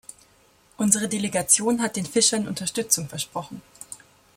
Unsere Delegation hat den Fischern Unterstützung versprochen.